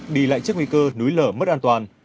đi lại trước nguy cơ núi lở mất an toàn